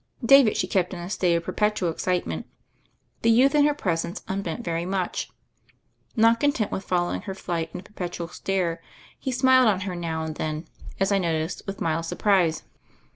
David she kept in a state of perpetual excitement. The youth in her presence unbent very much. Not content with foUowinff her flight in a perpetual stare, he smiled on ner now and then, as I noticed with mild surprise.